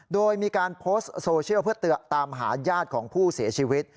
โดยมีการโพสต์โซเชียลเพื่อตามหาญาติของผู้เสียชีวิต